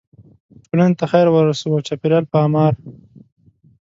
ټولنې ته خیر ورسوو او د چاپیریال په اعمار.